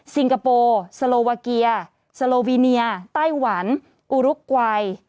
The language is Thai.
ซิงกาโปสโลวาเกียสโลวีเนียไต้หวันอุรุกไกร